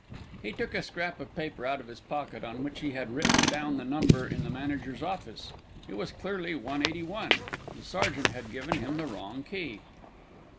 He took a scrap of paper out of his pocket, on which he had written down the number in the manager's office. It was clearly 181. The sergeant had given him the wrong key.